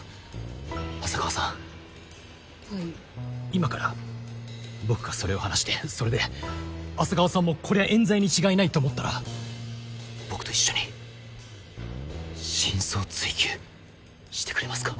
今から僕がそれを話してそれで浅川さんもこりゃえん罪に違いないと思ったら僕と一緒に真相追及してくれますか？